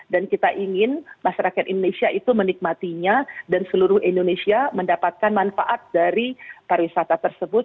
dan kita ingin masyarakat indonesia itu menikmatinya dan seluruh indonesia mendapatkan manfaat dari pariwisata tersebut